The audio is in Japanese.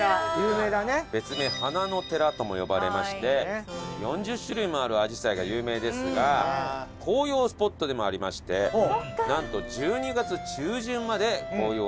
別名花の寺とも呼ばれまして４０種類もあるアジサイが有名ですが紅葉スポットでもありましてなんと１２月中旬まで紅葉を楽しむ事ができるんですね。